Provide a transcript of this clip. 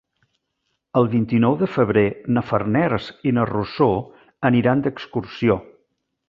El vint-i-nou de febrer na Farners i na Rosó aniran d'excursió.